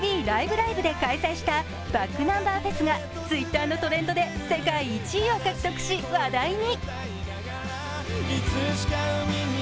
ライブ！」で開催したｂａｃｋｎｕｍｂｅｒフェスがＴｗｉｔｔｅｒのトレンドで世界１位を獲得し、話題に。